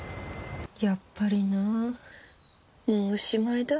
やっぱりなもうおしまいだ。